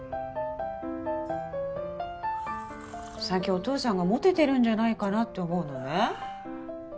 最近お父さんがモテてるんじゃないかなって思うのね。